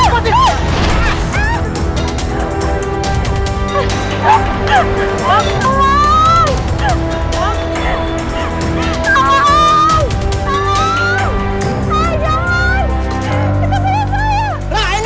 semoga setelah ini